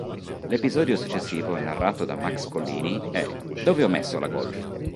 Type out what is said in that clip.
L'episodio successivo narrato da Max Collini è "Dove ho messo la golf?